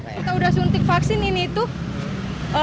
kita sudah suntik vaksin ini tuh